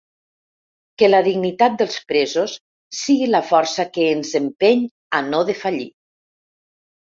Que la dignitat dels presos sigui la força que ens empeny a no defallir.